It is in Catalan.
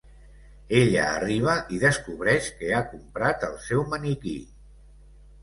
Ella arriba i descobreix que ha comprat el seu maniquí.